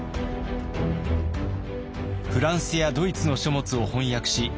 フランスやドイツの書物を翻訳し編集し直した